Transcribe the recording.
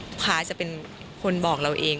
ลูกค้าจะเป็นคนบอกเราเอง